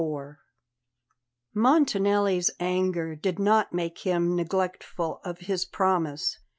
MONTANELLI'S anger did not make him neglectful of his promise.